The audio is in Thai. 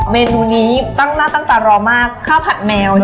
เมนูนี้ตั้งหน้าตั้งตารอมากข้าวผัดแมว